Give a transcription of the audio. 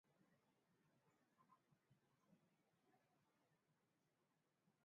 walivamia kijiji cha Bulongo katika jimbo la Kivu kaskazini